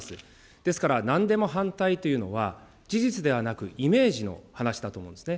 ですから、なんでも反対というのは事実ではなく、イメージの話だと思うんですね。